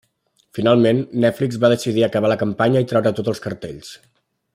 Finalment, Netflix va decidir acabar la campanya i treure tots els cartells.